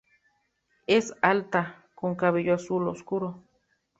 Es alta, con cabello azul oscuro.